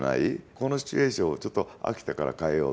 このシチュエーションをちょっと飽きたから変えよう。